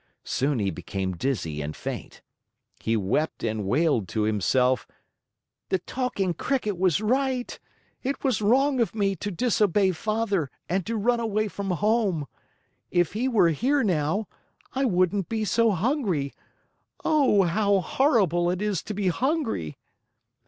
Soon he became dizzy and faint. He wept and wailed to himself: "The Talking Cricket was right. It was wrong of me to disobey Father and to run away from home. If he were here now, I wouldn't be so hungry! Oh, how horrible it is to be hungry!"